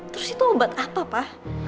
terus itu obat apa pak